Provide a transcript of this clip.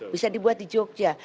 bisa dibuat di jogja